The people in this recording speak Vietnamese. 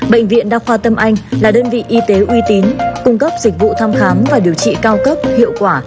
bệnh viện đa khoa tâm anh là đơn vị y tế uy tín cung cấp dịch vụ thăm khám và điều trị cao cấp hiệu quả